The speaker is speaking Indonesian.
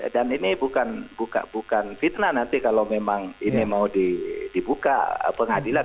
dan ini bukan fitnah nanti kalau memang ini mau dibuka pengadilan